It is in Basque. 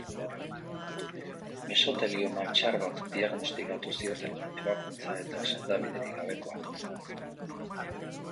Mesotelioma txar bat diagnostikatu zioten, ebakuntza eta sendabiderik gabekoa.